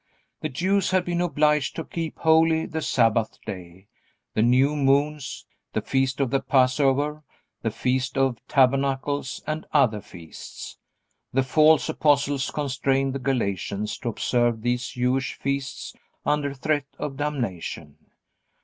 The Jews had been obliged to keep holy the Sabbath Day, the new moons, the feast of the passover, the feast of tabernacles, and other feasts. The false apostles constrained the Galatians to observe these Jewish feasts under threat of damnation.